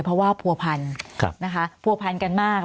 เพราะว่าผัวพันธุ์นะคะ